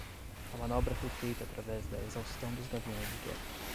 A manobra foi feita através da exaustão dos gaviões de guerra